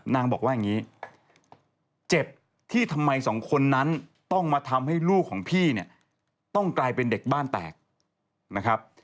นางบอกว่าอย่างนี้เจ็บที่ทำไมสองคนนั้นต้องมาทำให้ลูกของพี่เนี่ยต้องกลายเป็นเด็กบ้านแตกนะครับ